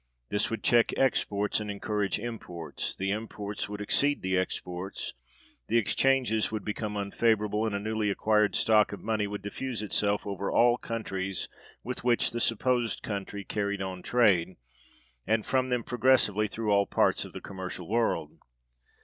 This would check exports and encourage imports; the imports would exceed the exports, the exchanges would become unfavorable, and a newly acquired stock of money would diffuse itself over all countries with which the supposed country carried on trade, and from them, progressively, through all parts of the commercial world.